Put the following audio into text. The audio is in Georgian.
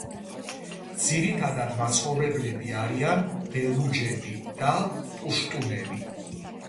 ძირითადი მაცხოვრებლები არიან ბელუჯები და პუშტუნები.